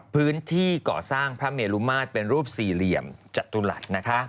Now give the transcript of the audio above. พื้นที่ก่อสร้างพระเมลุมาตรเป็นรูปสี่เหลี่ยมจตุรัส